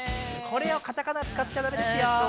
これをカタカナ使っちゃダメですよ。